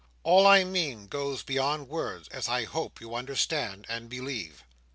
All I mean goes beyond words, as I hope you understand and believe.